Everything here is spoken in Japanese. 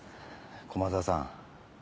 駒沢さん。